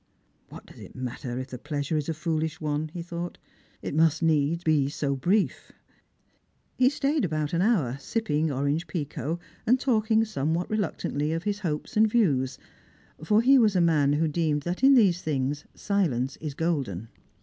" What does it matter if the pleasure is a fooUsh one ?" he thought :" it must needs be so brief." He stayed about an hour, sipping orange pekoe, and talking somewhat reluctantly of his hopes and views, for he was a man who deemed that in these things silence is golden.